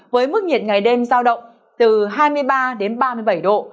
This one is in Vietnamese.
với mức nhiệt ngày đêm giao động từ hai mươi ba đến ba mươi bảy độ